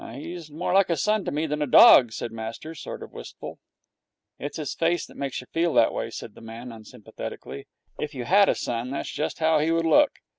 'He's more like a son to me than a dog,' said master, sort of wistful. 'It's his face that makes you feel that way,' said the man, unsympathetically. 'If you had a son that's just how he would look.